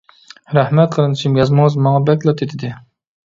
رەھمەت قېرىندىشىم، يازمىڭىز ماڭا بەكلا تېتىدى.